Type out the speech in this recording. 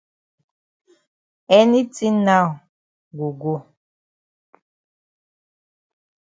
Any tin now go go.